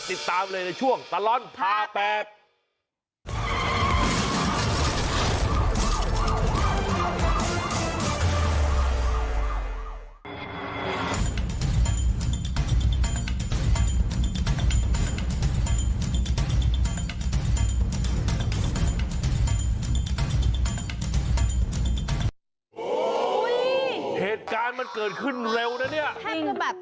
ติดตามเลยในช่วงตลอดผ่าแปด